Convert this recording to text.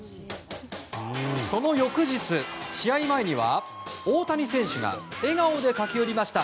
その翌日、試合前には大谷選手が笑顔で駆け寄りました。